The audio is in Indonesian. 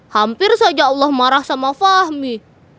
hampir saja allah marah sama fahmi